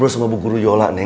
eh di bawah dimarahi